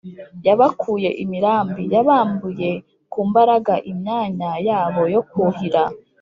Yabakuye imirambi: Yabambuye ku mbaraga imyanya yabo yo kuhira.